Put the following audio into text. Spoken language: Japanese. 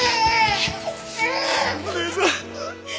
お義姉さん。